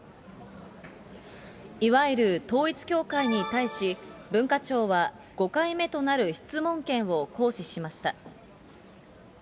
いわゆる統一教会に対し、文化庁は５回目となる質問権を行使しました。